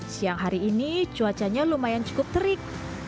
siang hari ini cuacanya lumayan cukup terik